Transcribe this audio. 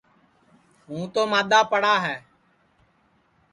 ہُوں تو مادؔا پڑا ہے